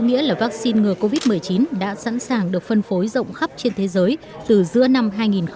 nghĩa là vaccine ngừa covid một mươi chín đã sẵn sàng được phân phối rộng khắp trên thế giới từ giữa năm hai nghìn hai mươi